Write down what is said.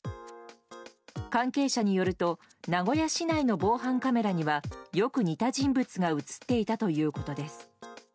関係者によると名古屋市内の防犯カメラにはよく似た人物が映っていたということです。